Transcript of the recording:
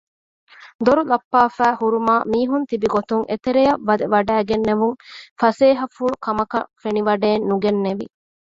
ދޮރުލައްޕާފައި ހުރުމާ މީހުންތިބިގޮތުން އެތެރެޔަށް ވެދެވަޑައިގެންނެވުން ފަސޭހަފުޅުކަމަކަށް ފެނިވަޑައެއް ނުގެނެވި